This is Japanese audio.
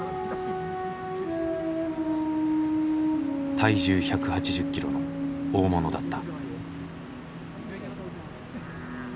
体重１８０キロの大物だった。